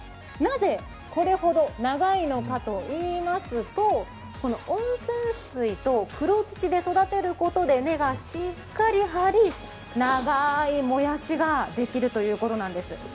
なぜ、これほど長いのかといいますとこの温泉水と黒土で育てることで根がしっかり張り、長いもやしができるということなんです。